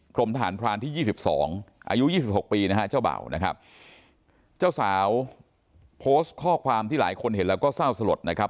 กรมทหารพรานที่๒๒อายุ๒๖ปีนะฮะเจ้าเบ่านะครับเจ้าสาวโพสต์ข้อความที่หลายคนเห็นแล้วก็เศร้าสลดนะครับ